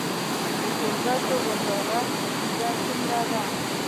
د ټولګټو وزارت بودیجه څومره ده؟